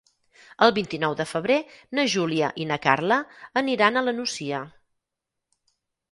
El vint-i-nou de febrer na Júlia i na Carla aniran a la Nucia.